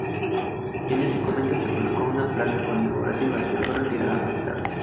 En ese momento se colocó una placa conmemorativa, que fue retirada más tarde.